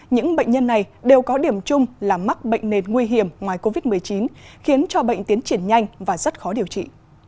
những bệnh nhân này đều có điểm chung là mắc bệnh nền nguy hiểm ngoài covid một mươi chín khiến cho bệnh tiến triển nhanh và rất khó điều trị